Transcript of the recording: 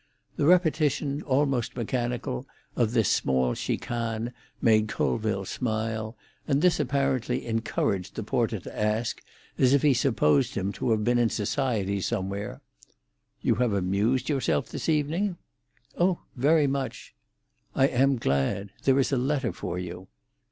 The repetition, almost mechanical, of this small chicane made Colville smile, and this apparently encouraged the porter to ask, as if he supposed him to have been in society somewhere— "You have amused yourself this evening? "Oh, very much." "I am glad. There is a letter for you.'